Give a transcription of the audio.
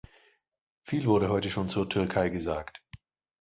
Viel wurde heute schon zur Türkei gesagt.